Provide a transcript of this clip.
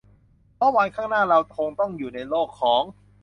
เพราะวันข้างหน้าเราคงต้องอยู่ในโลกของ